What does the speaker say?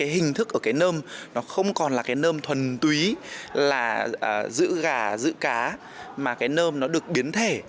hình thức ở cái nơm nó không còn là cái nơm thuần túy là giữ gà giữ cá mà cái nơm nó được biến thể